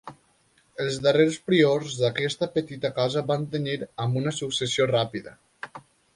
Els darrers priors d'aquesta petita casa van tenir amb una successió ràpida.